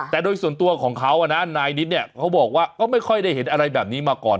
แต่โดยส่วนตัวของเขานะนายนิดเนี่ยเขาบอกว่าก็ไม่ค่อยได้เห็นอะไรแบบนี้มาก่อน